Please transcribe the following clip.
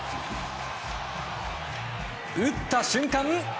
打った瞬間